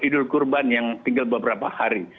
idul kurban yang tinggal beberapa hari